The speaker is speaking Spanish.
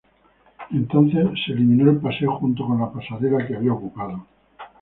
Entonces, se eliminó el paseo junto con la pasarela que había ocupado.